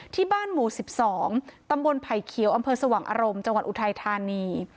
ที่บ้านหมู่๑๒ตำบลไผ่เขียวอำเภอสว่างอารมณ์จังหวัดอุทัยธานี